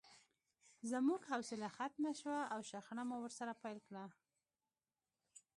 زموږ حوصله ختمه شوه او شخړه مو ورسره پیل کړه